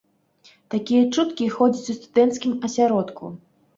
Такія чуткі ходзяць у студэнцкім асяродку.